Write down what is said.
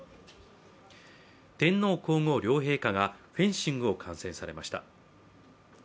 天皇皇后両陛下がフェンシングを観戦されました。